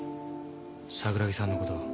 桜木さんのこと。